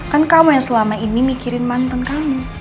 kan kamu yang selama ini mikirin mantan kamu